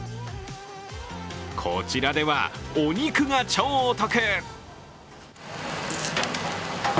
こちらではお肉が超お得！